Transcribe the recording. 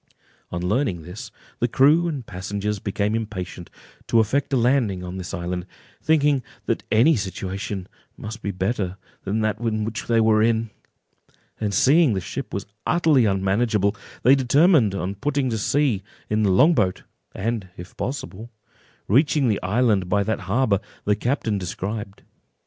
On learning this, the crew and passengers became impatient to effect a landing on this island, thinking that any situation must be better than that which they were in; and seeing the ship was utterly unmanageable, they determined on putting to sea in the long boat, and, if possible, reaching the island by that harbour the captain described.